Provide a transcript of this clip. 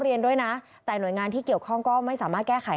เรียนด้วยนะแต่หน่วยงานที่เกี่ยวข้องก็ไม่สามารถแก้ไข